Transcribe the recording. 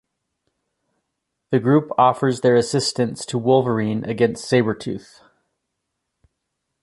The group offers their assistance to Wolverine against Sabretooth.